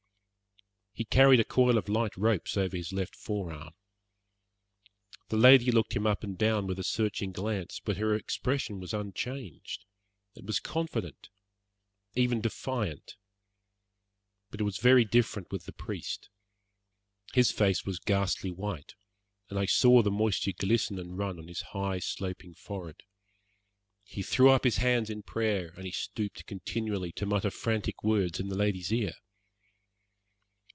He carried a coil of light ropes over his left forearm. The lady looked him up and down with a searching glance, but her expression was unchanged. It was confident even defiant. But it was very different with the priest. His face was ghastly white, and I saw the moisture glisten and run on his high, sloping forehead. He threw up his hands in prayer and he stooped continually to mutter frantic words in the lady's ear.